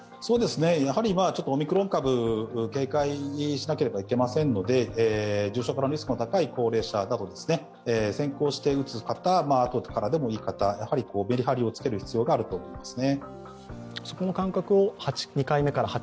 オミクロン株、警戒しなければいけませんので、重症化のリスクが高い高齢者など、先行して打つなどやはりめりはりをつけていく必要があると思いますね。